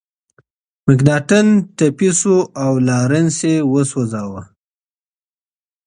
مکناتن ټپي شو او لارنس یې وسوځاوه.